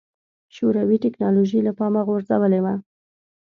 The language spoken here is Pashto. شوروي ټکنالوژي له پامه غورځولې وه.